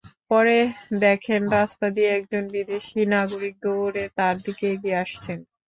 পরে দেখেন, রাস্তা দিয়ে একজন বিদেশি নাগরিক দৌড়ে তাঁর দিকে এগিয়ে আসছেন।